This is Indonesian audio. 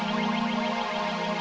bahaya watip untuk juga ksatjuh